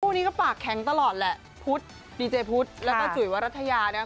นี้ก็ปากแข็งตลอดแหละพุธดีเจพุทธแล้วก็จุ๋ยวรัฐยานะคะ